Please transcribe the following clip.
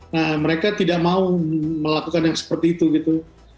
nah mereka tidak mau melakukan yang seperti itu gitu